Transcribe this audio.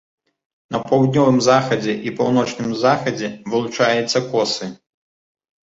На паўднёвым захадзе і паўночным захадзе вылучаюцца косы.